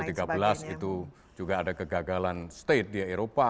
betul dua ribu tiga belas itu juga ada kegagalan state di eropa